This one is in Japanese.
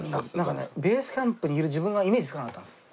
なんかベースキャンプにいる自分がイメージつかなかったんですよ。